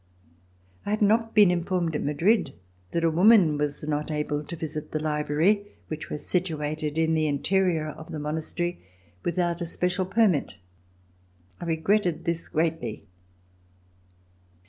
I had not been informed at Madrid that a woman was not able to visit the Library, which was situated in the interior of the Monastery, without a special permit. I regretted this greatly.